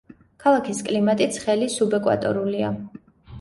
ქალაქის კლიმატი ცხელი სუბეკვატორულია.